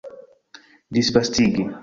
disvastigi